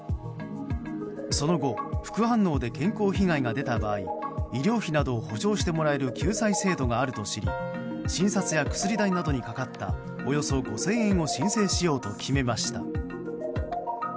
その後、副反応で健康被害が出た場合医療費などを補償してもらえる救済制度があると知り診察や薬代などにかかったおよそ５０００円を申請しようと決めました。